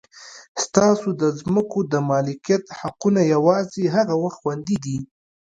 ستاسو د ځمکو د مالکیت حقونه یوازې هغه وخت خوندي دي.